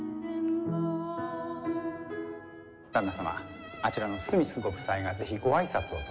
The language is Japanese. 旦那様あちらのスミスご夫妻が是非ご挨拶をと。